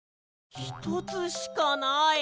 ひとつしかない！